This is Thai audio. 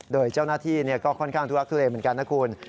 โดยเจ้าหน้าที่ก็ค่อนข้างทุลักทุเลเหมือนกันนะคุณ